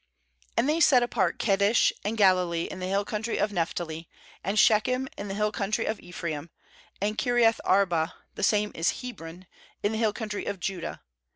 7 7And they set apart Kedesh in Galilee in the hill country of Naph tali, and Shechem in the hill country of Ephraim, and Kiriath arba — the same is Hebron — in the hill country of Judah.